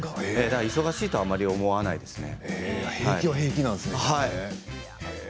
忙しいとはあまり思わないですね。